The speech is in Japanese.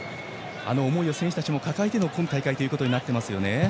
あの思いを選手たちも抱えての今大会となっていますね。